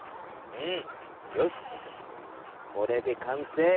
うんよしこれで完成。